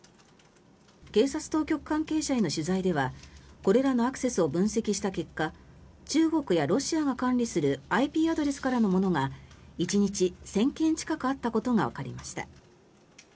警察当局関係者への取材ではこれらのアクセスを分析した結果中国やロシアが管理するＩＰアドレスからのものが１日１０００件近くあったことがわかりました。